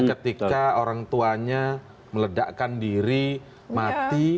ketika orang tuanya meledakkan diri mati